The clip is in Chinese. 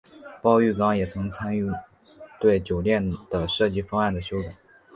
包玉刚也曾参与对酒店的设计方案的修改。